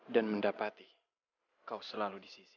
mendapati kau selalu di sisi